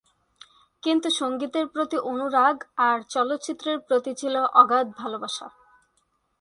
কিন্তু সঙ্গীতের প্রতি অনুরাগ আর চলচ্চিত্রের প্রতি ছিল অগাধ ভালোবাসা।